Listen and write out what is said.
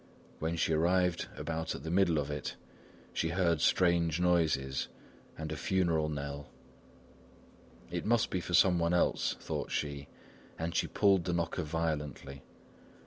When she arrived about at the middle of it, she heard strange noises, a funeral knell. "It must be for some one else," thought she; and she pulled the knocker violently.